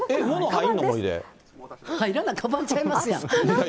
入らなかばんとちゃいますやん。